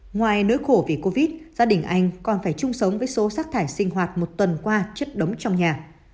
ngoài nỗi khổ vì covid gia đình anh còn phải chung sống với số sát thải sinh hoạt một tuần qua chất đống trong nhà